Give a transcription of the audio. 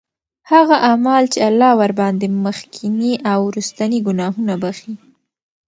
هغه أعمال چې الله ورباندي مخکيني او وروستنی ګناهونه بخښي